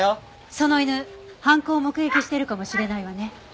その犬犯行を目撃しているかもしれないわね。